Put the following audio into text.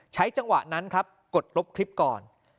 จังหวะนั้นครับกดลบคลิปก่อน